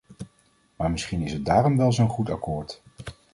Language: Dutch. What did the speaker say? Maar misschien is het daarom wel zo’n goed akkoord.